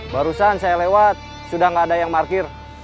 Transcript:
barusan saya lewat sudah nggak ada yang markir